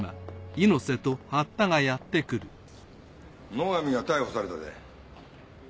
野上が逮捕されたで。